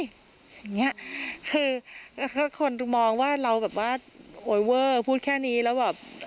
อย่างเงี้ยคือคนดูมองว่าเราแบบว่าโอ๊เวอร์พูดแค่นี้แล้วแบบ